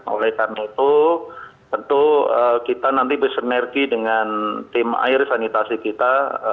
oleh karena itu tentu kita nanti bersinergi dengan tim air sanitasi kita